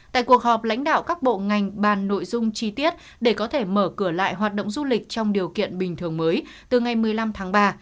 tại cuộc họp lãnh đạo các bộ ngành bàn nội dung chi tiết để có thể mở cửa lại hoạt động du lịch trong điều kiện bình thường mới từ ngày một mươi năm tháng ba